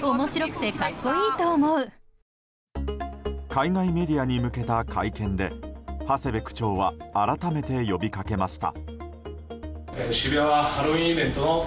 海外メディアに向けた会見で長谷部区長は改めて呼びかけました。